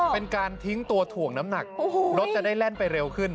เป็นการทิ้งตัวถ่วงน้ำหนักรถจะได้แล่นไปเร็วขึ้น